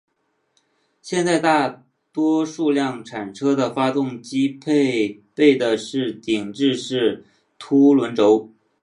现在大多数量产车的发动机配备的是顶置式凸轮轴。